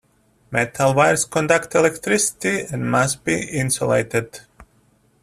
Metal wires conduct electricity and must be insulated.